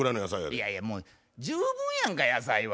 いやいやもう十分やんか野菜は。